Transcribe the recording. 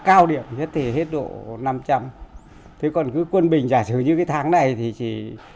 cao điểm nhất thì hết độ năm trăm linh thế còn cứ quân bình giả sử như cái tháng này thì chỉ ba bảy ba tám